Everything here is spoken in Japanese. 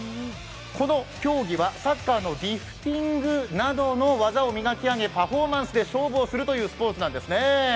この競技はサッカーのリフティングなどの技を磨き上げ、パフォーマンスで勝負をするというスポーツなんですね。